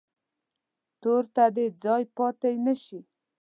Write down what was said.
تور ته دې ځای پاتې نه شي.